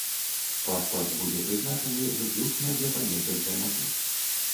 Пашпарт будзе прызначаны выключна для паездак за мяжу.